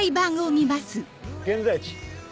現在地。